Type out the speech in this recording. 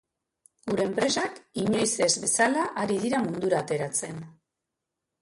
Gure enpresak inoiz ez bezala ari dira mundura ateratzen.